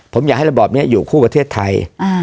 ผมอยากให้ระบอบนี้อยู่คู่ประเทศไทย